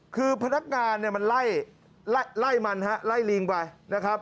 คือพนักงานมันไล่ไล่มันฮะไล่ลิงไปนะครับ